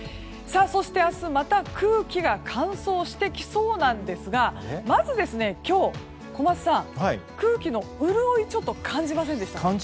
そして、明日また空気が乾燥してきそうなんですがまず今日、小松さん空気の潤いを感じませんでした？